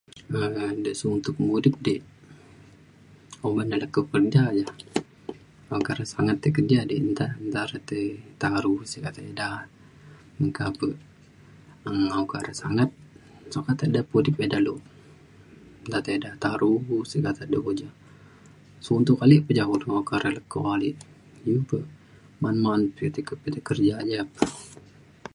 um de suntok mudip di uban re leko keja ja okak re sangat tei kerja dik nta re ti taru sik kata ida meka pe um okak re sangat sukat ida pudip ida lu. nta te ida taru sik ka du keja. suntok ale pa ja okak le leko ale. iu pe ma’an ma’an le pe ti ti kerja ja